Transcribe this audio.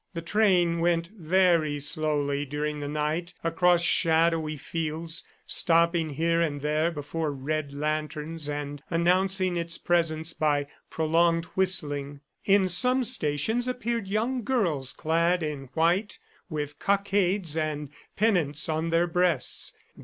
The train went very slowly during the night, across shadowy fields, stopping here and there before red lanterns and announcing its presence by prolonged whistling. In some stations appeared young girls clad in white with cockades and pennants on their breasts.